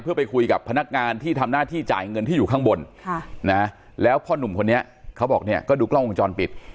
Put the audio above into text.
เพื่อไปคุยกับพนักงานที่ทำหน้าที่จ่ายเงินที่อยู่ข้างบนแล้วพ่อนุ่มคนนี้เขาบอกเนี่ยก็ดูกล้องวงจรปิด